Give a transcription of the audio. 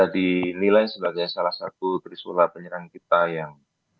dinilai sebagai salah satu trisula penyerang kita yang